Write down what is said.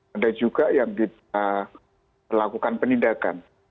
ada juga yang kita lakukan penindakan